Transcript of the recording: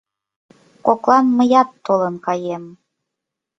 — Коклан мыят толын каем.